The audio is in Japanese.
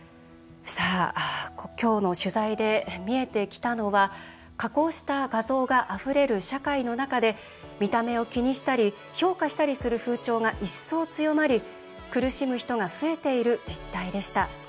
今日の取材で見えてきたのは加工した画像があふれる社会の中で、見た目を気にしたり評価したりする風潮が一層、強まり苦しむ人が増えている実態でした。